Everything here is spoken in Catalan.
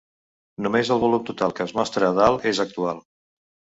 Només el volum total que es mostra a dalt és actual.